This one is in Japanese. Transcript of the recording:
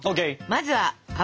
まずは油。